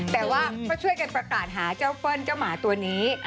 แต่ว่าก็ช่วยกันประกาศหาเจ้าเฟิลเจ้าหมาตัวนี้